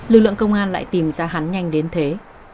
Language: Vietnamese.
lực lượng công an lại tìm ra hắn nhanh đến thế